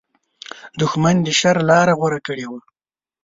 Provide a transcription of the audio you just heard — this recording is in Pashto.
دښمن د شر لاره غوره کړې وي